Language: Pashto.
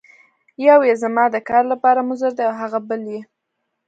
یو یې زما د کار لپاره مضر دی او هغه بل یې.